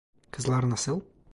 Kızlar nasıl?